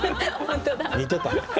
似てた。